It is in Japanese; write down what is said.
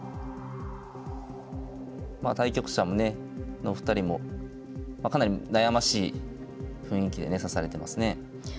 まあ対局者の２人もかなり悩ましい雰囲気でね指されてますね。